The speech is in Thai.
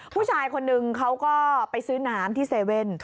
ผู้ชายคนนึงเขาก็ไปซื้อน้ำที่เซเว่น